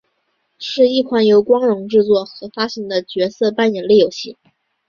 是一款由光荣制作和发行的角色扮演类游戏。